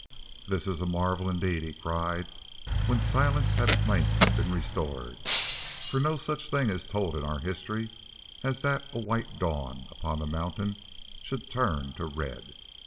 "This is a marvel indeed!" he cried, when silence had at length been restored; "for no such thing is told of in our history as that a white dawn upon the mountain should turn to red.